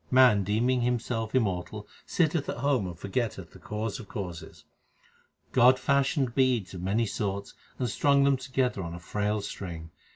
Man deeming himself immortal sitteth at home and for getteth the Cause of causes. God fashioned beads 1 of many sorts and strung them together on a frail string.